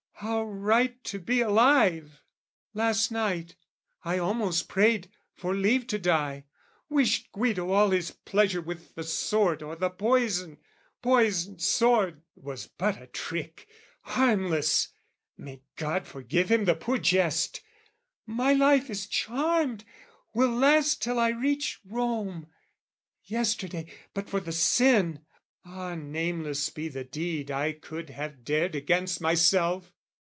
How right to be alive! "Last night I almost prayed for leave to die, "Wished Guido all his pleasure with the sword "Or the poison, poison, sword, was but a trick, "Harmless, may God forgive him the poor jest! "My life is charmed, will last till I reach Rome! "Yesterday, but for the sin, ah, nameless be "The deed I could have dared against myself!